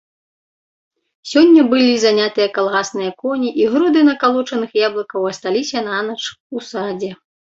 Сёння былі занятыя калгасныя коні, і груды накалочаных яблыкаў асталіся нанач у садзе.